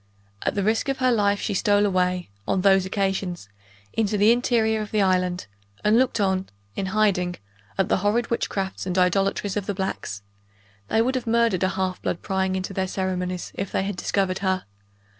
At the risk of her life she stole away, on those occasions, into the interior of the island, and looked on, in hiding, at the horrid witchcrafts and idolatries of the blacks; they would have murdered a half blood, prying into their ceremonies, if they had discovered her.